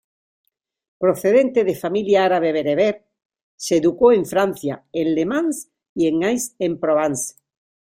Procedente de familia árabe-bereber, se educó en Francia en Le Mans y Aix-en-Provence.